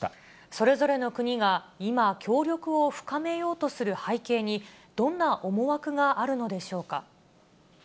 それぞれの国が、今、協力を深めようとする背景に、どんな思惑があるのでしょうか。